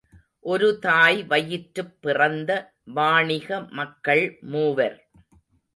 ஒரு தாய் வயிற்றுப் பிறந்த வாணிக மக்கள் மூவர்.